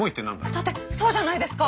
だってそうじゃないですか！